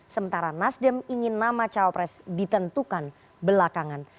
sementara nasdem ingin nama cawapres ditentukan belakangan